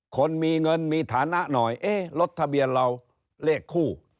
คนมีเงินมีฐานะหน่อยเอ๊ะรถทะเบียนเราเลขคู่